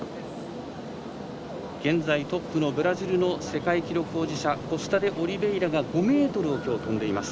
現在トップのブラジルの世界記録保持者コスタデオリベイラが５ｍを今日、跳んでいます。